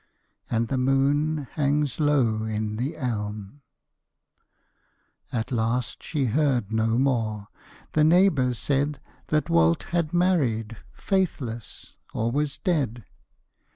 And the moon hangs low in the elm. At last she heard no more. The neighbors said That Walt had married, faithless, or was dead.